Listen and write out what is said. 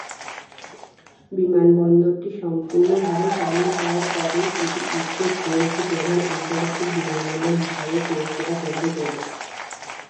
বিমানবন্দরটি সম্পূর্ণ ভাবে চালু হওয়ার পরে, এটি উত্তর চীনের একটি প্রধান আন্তর্জাতিক বিমানবন্দর হিসাবে পরিষেবা প্রদান করবে।